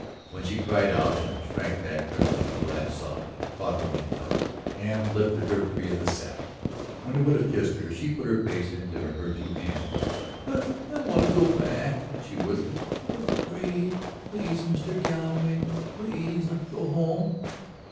When she cried out and shrank back trembling, he laughed softly, caught her in his arms, and lifted her free of the saddle; when he would have kissed her she put her face into her two hands. "I ... I want to go back!" she whispered. "I am afraid! Please, Mr. Galloway, please let me go home."